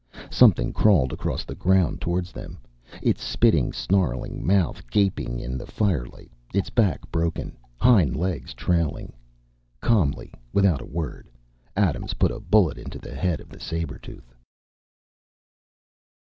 Something crawled across the ground toward them, its spitting, snarling mouth gaping in the firelight, its back broken, hind legs trailing. Calmly, without a word, Adams put a bullet into the head of the saber tooth.